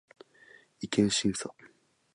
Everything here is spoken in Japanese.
違憲審査